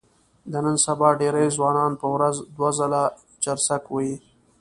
د نن سبا ډېری ځوانان په ورځ دوه ځله چرسک وهي.